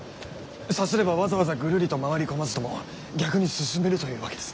さすればわざわざぐるりと回り込まずとも逆に進めるというわけですね。